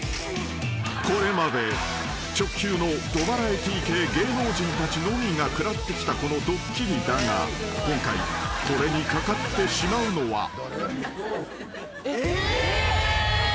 ［これまで直球のどバラエティー系芸能人たちのみが食らってきたこのドッキリだが今回これにかかってしまうのは］